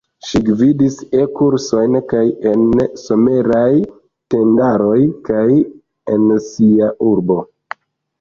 Ŝi gvidis E-kursojn kaj en someraj tendaroj kaj en sia urbo.